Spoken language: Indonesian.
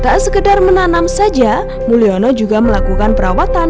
tak sekedar menanam saja mulyono juga melakukan perawatan